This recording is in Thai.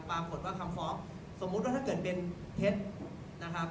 ปรากฏว่าคำฟ้องสมมุติว่าถ้าเกิดเป็นเท็จนะครับ